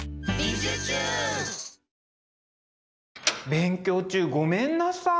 勉強中ごめんなさい。